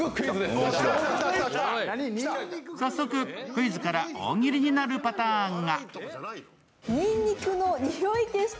早速、クイズから大喜利になるパターンが。